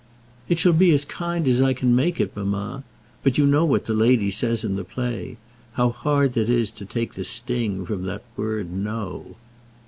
"It shall be as kind as I can make it, mamma; but you know what the lady says in the play, how hard it is to take the sting from that word 'no.'"